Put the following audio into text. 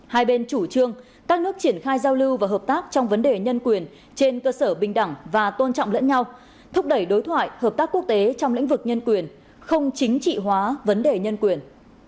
hai bên chủ trương các nước triển khai giao lưu và hợp tác trong vấn đề nhân quyền trên cơ sở bình đẳng và tôn trọng lẫn nhau thúc đẩy đối thoại hợp tác quốc tế trong lĩnh vực nhân quyền không chính trị hóa vấn đề nhân quyền